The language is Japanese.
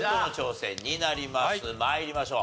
参りましょう。